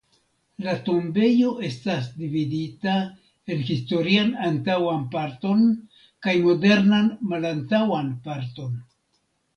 La tombejo estas dividita en historian antaŭan parton kaj modernan malantaŭan parton.